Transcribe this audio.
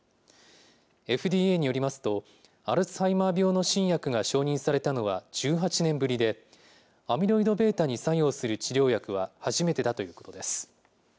ＦＤＡによりますと、アルツハイマー病の新薬が承認されたのは１８年ぶりで、アミロイドβに作用する治療薬は初めてだということです。